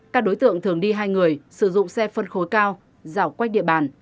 các đối tượng thường đi hai người sử dụng xe phân khối cao dảo quách địa bàn